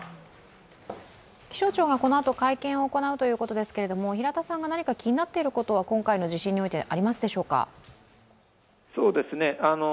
気象庁がこのあと会見を行うということですけれども、平田さんが何か気になっていることは、今回の地震においてありますでしょうか。